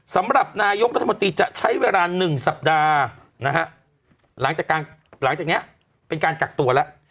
สำหรับนายกรุธมตรีจะใช้เวลา๑สัปดาห์หลังจากนี้เป็นการกักตัวแล้ว